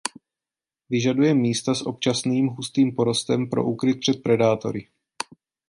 Vyžaduje místa s občasným hustým porostem pro úkryt před predátory.